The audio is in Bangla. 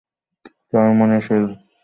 তাঁহার মনে শেল বিঁধিয়া রহিল।